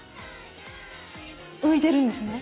浮いてるんですね。